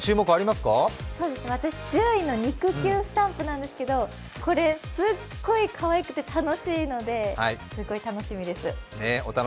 １０位の肉球スタンプなんですけど、すっごいかわいくて楽しいのですごい楽しみです。